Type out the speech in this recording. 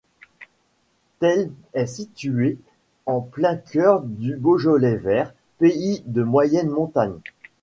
Thel est situé en plein cœur du Beaujolais vert, pays de moyenne montagne.